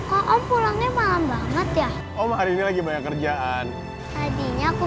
hai om pulangnya malam banget ya om hari ini lagi banyak kerjaan tadinya aku